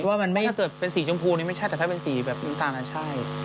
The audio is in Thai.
ว่ามันไม่ถ้าเกิดเป็นสีชมพูนี่ไม่ใช่แต่ถ้าเป็นสีแบบน้ำตาลใช่